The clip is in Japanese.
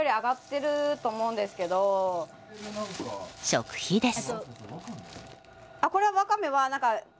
食費です。